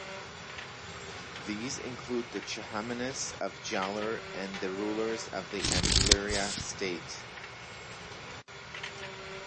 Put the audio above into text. These include the Chahamanas of Jalor, and the rulers of the Ambliara State.